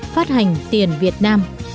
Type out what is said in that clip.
phát hành tiền việt nam